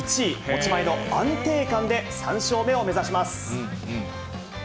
持ち前の安定感で３勝目を目指します。